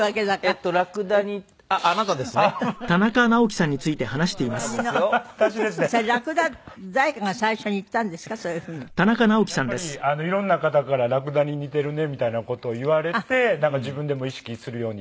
やっぱりいろんな方から「ラクダに似てるね」みたいな事を言われてなんか自分でも意識するようになりましたね。